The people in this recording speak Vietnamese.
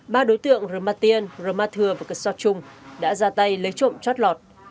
ba đối tượng ramatien ramathur và kassot trung đã ra tay lấy trộm trót lọt